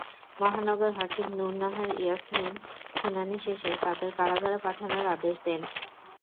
মহানগর হাকিম নুর নাহার ইয়াসমিন শুনানি শেষে তাঁদের কারাগারে পাঠানোর আদেশ দেন।